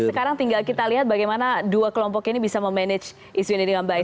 sekarang tinggal kita lihat bagaimana dua kelompok ini bisa memanage isu ini dengan baik